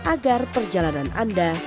agar perjalanan anda